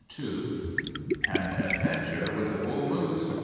as— 'AN ADVENTURE WITH A BULL MOOSE.